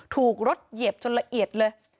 ถูกรถเหยียบจนละเอียดเลย